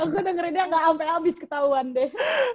oh gue dengerin dia gak sampe abis ketauan deh